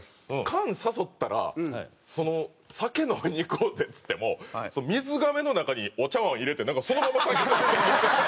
菅誘ったら酒飲みに行こうぜっつっても水がめの中にお茶わん入れてなんかそのまま酒飲みそう。